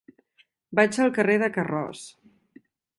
Vaig al carrer de Carroç.